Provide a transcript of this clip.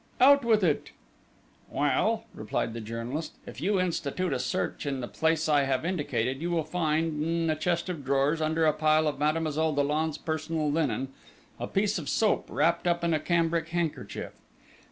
Out with it!" "Well," replied the journalist, "if you institute a search in the place I have indicated, you will find, in the chest of drawers, under a pile of Mademoiselle Dollon's personal linen a piece of soap wrapped up in a cambric handkerchief.